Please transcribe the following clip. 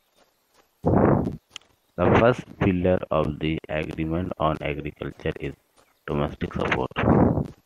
The first pillar of the Agreement on Agriculture is "domestic support".